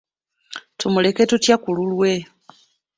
Tumuleka tutya ku lulwe?